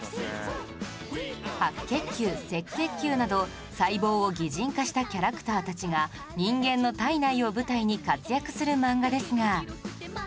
白血球赤血球など細胞を擬人化したキャラクターたちが人間の体内を舞台に活躍する漫画ですが